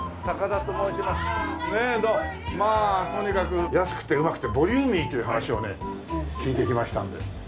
まあとにかく安くてうまくてボリューミーという話をね聞いて来ましたんで。